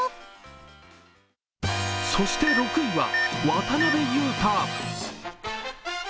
そして６位は渡邊雄太。